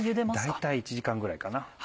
大体１時間ぐらいかな。